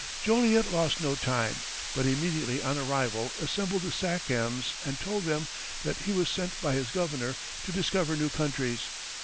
Joliet lost no time, but immediately on arrival assembled the sachems and told them that he was sent by his Governor to discover new countries.